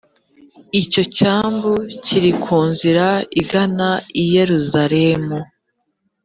icyo cyambu kiri ku nzira igana i yeluzalemu